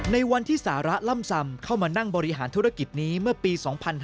ในวันที่สาระล่ำซำเข้ามานั่งบริหารธุรกิจนี้เมื่อปี๒๕๕๙